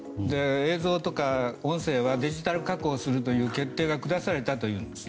映像とか音声はデジタル加工するという決定が下されたというのです。